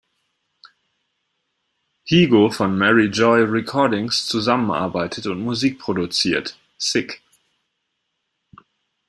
Higo" von "Mary Joy Recordings" zusammenarbeitet und Musik produziert.